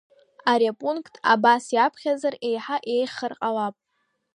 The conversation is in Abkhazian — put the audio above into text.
Ари апункт абас иаԥхьазар иаҳа иеиӷьхар ҟалап…